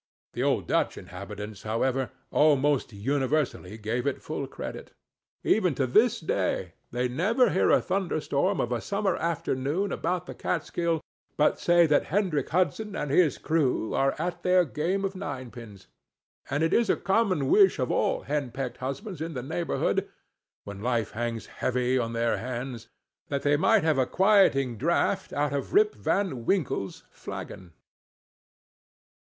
The old Dutch inhabitants, however, almost universally gave it full credit. Even to this day they never hear a thunderstorm of a summer afternoon about the Kaatskill, but they say Hendrick Hudson and his crew are at their game of nine pins; and it is a common wish of all hen pecked husbands in the neighborhood, when life hangs heavy on their hands, that they might have a quieting draught out of Rip Van Winkle's flagon.